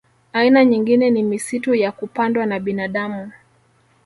Aina nyingine ni misitu ya kupandwa na binadamu